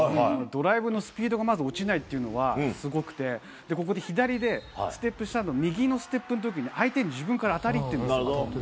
ドライブのスピードが、まず落ちないっていうのはすごくて、ここで左でステップしたのを、右のステップのときに相手に自分から当たりにいってるんです。